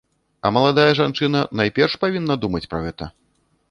А маладая жанчына найперш павінна думаць пра гэта.